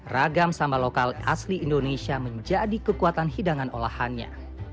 ragam sambal lokal asli indonesia menjadi kekuatan hidangan olahannya